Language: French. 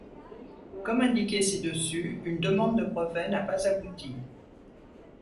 Comme indiqué ci-dessus, une demande de brevet n'a pas abouti.